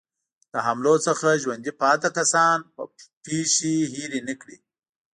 له حملو څخه ژوندي پاتې کسان به پېښې هېرې نه کړي.